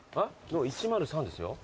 １０３ですよ。